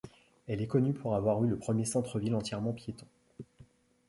Elle est connue pour avoir eu le premier centre-ville entièrement piéton.